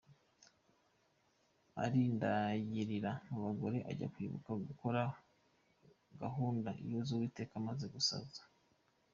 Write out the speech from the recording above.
Arindagirira mu bagore ajya kwibuka gukora gahunda z’Uwiteka amaze gusaza.